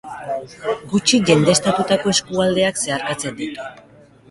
Gutxi jendeztatutako eskualdeak zeharkatzen ditu.